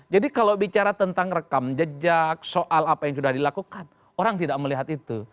jadi kalau bicara tentang rekam jejak soal apa yang sudah dilakukan orang tidak melihat itu